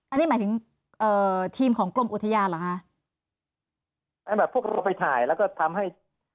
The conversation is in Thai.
อันนี้หมายถึงเอ่อทีมของกรมอุทยานเหรอคะอันแบบพวกเราไปถ่ายแล้วก็ทำให้